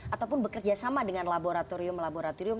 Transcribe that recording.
ataupun bekerjasama dengan laboratorium laboratorium